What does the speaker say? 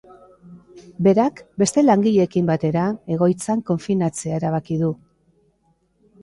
Berak, beste langileekin batera, egoitzan konfinatzea erabaki du.